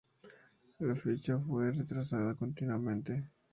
La fecha fue retrasada continuamente.